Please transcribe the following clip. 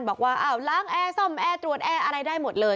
บอกว่าอ้าวล้างแอร์ซ่อมแอร์ตรวจแอร์อะไรได้หมดเลย